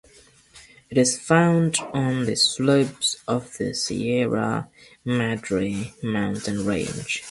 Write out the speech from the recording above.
It is found on the slopes of the Sierra Madre Mountain Range.